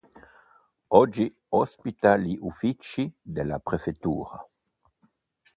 Oggi ospita gli uffici della prefettura.